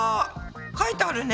書いてあるね。